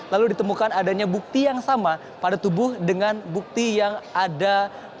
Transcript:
lalu ditemukan adanya bukti yang sama pada tubuh dengan bukti yang ada